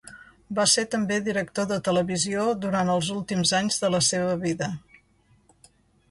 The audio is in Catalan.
Va ser també director de televisió durant els últims anys de la seva vida.